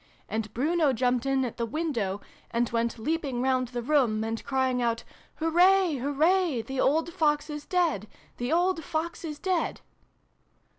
And Bruno jumped in at the window, and went leaping round the room, and crying out ' Hooray ! Hooray ! The old Fox is dead ! The old Fox is dead